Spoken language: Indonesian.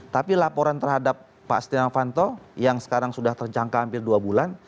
tapi laporan terhadap pak setia novanto yang sekarang sudah terjangka hampir dua bulan